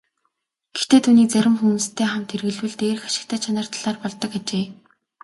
Гэхдээ түүнийг зарим хүнстэй хамт хэрэглэвэл дээрх ашигтай чанар талаар болдог ажээ.